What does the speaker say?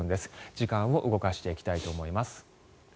時間を動かしていきたいと思います。